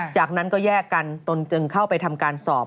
จากนั้นก็แยกกันตนจึงเข้าไปทำการสอบ